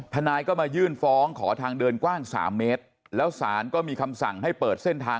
ทนายก็มายื่นฟ้องขอทางเดินกว้าง๓เมตรแล้วศาลก็มีคำสั่งให้เปิดเส้นทาง